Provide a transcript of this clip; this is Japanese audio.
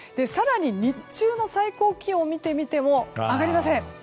更に日中の最高気温を見てみても上がりません。